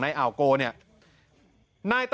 เฮ้ยเฮ้ยเฮ้ย